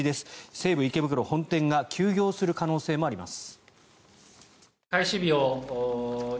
西武池袋本店が休業する可能性もあります。